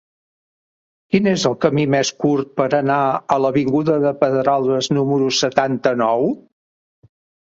Quin és el camí més curt per anar a l'avinguda de Pedralbes número setanta-nou?